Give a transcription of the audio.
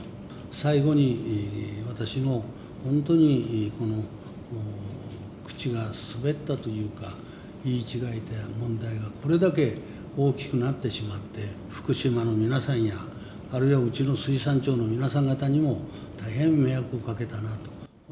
最後に私も、本当に口が滑ったというか、言い違えた問題がこれだけ大きくなってしまって、福島の皆さんや、あるいはうちの水産庁の皆さん方にも大変迷惑をかけたなと。